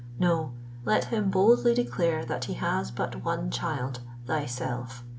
No—let him boldly declare that he has but one child—thyself!